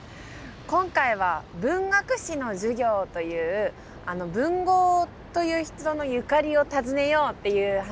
今回は文学史の授業という文豪という人のゆかりを訪ねようっていう話になってます。